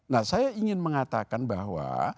nah saya ingin mengatakan bahwa